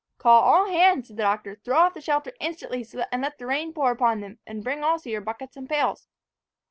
"Call all hands!" said the Doctor. "Throw off the shelter instantly, to let the rain pour upon them; and bring also your buckets and pails."